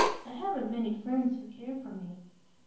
I haven't many friends who care for me."